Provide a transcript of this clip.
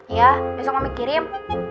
iya besok mami kirim